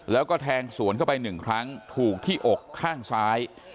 แล้วก็แทงสวนเข้าไปหนึ่งครั้งถูกที่อกข้างซ้าย